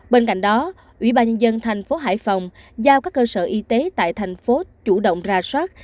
bên cạnh đó ubnd thành phố hải phòng giao các cơ sở y tế tại thành phố chủ động ra soát